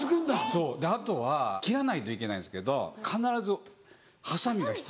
そうあとは切らないといけないんですけど必ずハサミが必要。